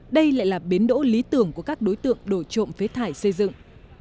đây lại là bến đỗ lý tưởng của các đối tượng đổi trộm phế thải xây dựng